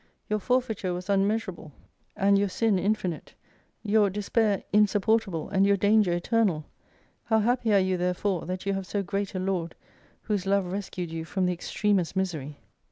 Your forfeiture was immeasurable and your 148 Sin infinite, your despair insupportable, and your danger eternal: how happy are you therefore, that you have so great a Lord, whose love rescued you from the cxtremest misery